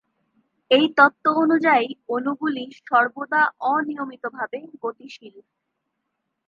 এই তত্ত্ব অনুযায়ী অণুগুলি সর্বদা অনিয়মিতভাবে গতিশীল।